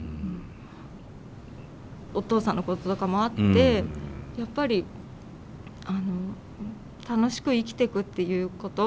お父さんのこととかもあってやっぱりあの楽しく生きてくっていうこと。